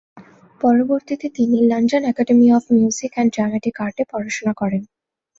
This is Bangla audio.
পরবর্তীতে তিনি London academy of music and dramatic আর্ট-এ পড়াশুনা করেন।